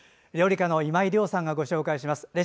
料理家の今井亮さんがご紹介します。